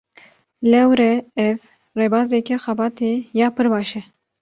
Lewre ev, rêbazeke xebatê ya pir baş e